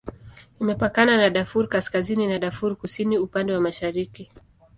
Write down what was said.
Inapakana na Darfur Kaskazini na Darfur Kusini upande wa mashariki.